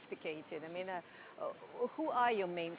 siapa pelanggan utama anda